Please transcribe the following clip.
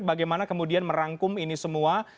bagaimana kemudian merangkum ini semua